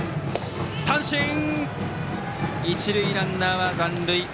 三振、一塁ランナーは残塁。